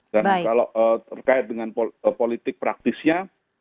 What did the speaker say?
dan kalau terkait dengan politik praktisnya